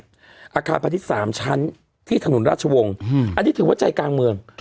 อาคารพาณิชย์๓ชั้นที่ถนนราชวงศ์อันนี้ถือว่าใจกลางเมือง